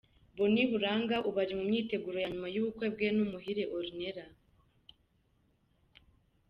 Bonny Buranga ubu ari mu myiteguro ya nyuma y’ubukwe bwe na Umuhire Ornella.